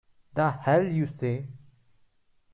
The hell you say!